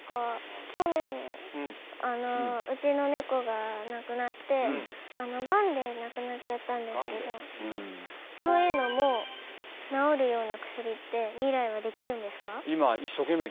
去年うちのネコがなくなってガンでなくなっちゃったんですけどそういうのも治るような薬って未来はできるんですか？